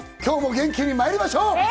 今日も元気に参りましょう。